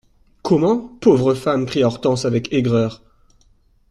Comment ! pauvre femme ! cria Hortense avec aigreur.